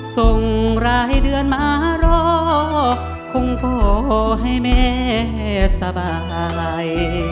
ส่งรายเดือนมารอคงพอให้แม่สบาย